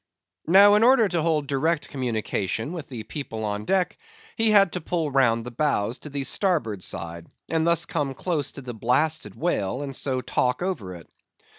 Now in order to hold direct communication with the people on deck, he had to pull round the bows to the starboard side, and thus come close to the blasted whale; and so talk over it.